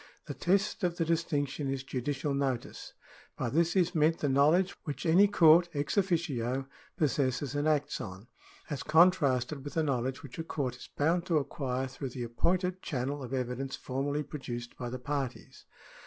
The test of the distinction is judicial notice. By this is meant the knowledge which any court, ex officio, possesses and acts on, as contrasted with the knowledge which a court is bound to acquire through the appointed channel of evidence formally produced by the parties.